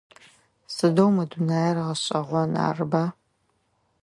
Сыдэу мы дунаир гъэшӏэгъон, арыба?